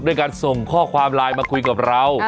ด้วยการส่งข้อความไลน์มาคุยกับเรา